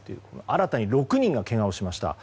新たに６人がけがをしました。